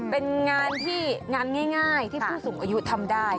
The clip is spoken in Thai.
เป็นงานที่งานง่ายที่ผู้สูงอายุทำได้